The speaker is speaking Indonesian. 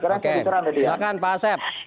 oke silahkan pak asep